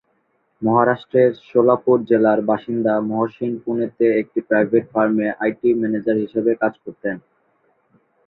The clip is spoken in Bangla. মহারাষ্ট্রের সোলাপুর জেলার বাসিন্দা মহসিন পুনেতে একটি প্রাইভেট ফার্মে আইটি ম্যানেজার হিসাবে কাজ করতেন।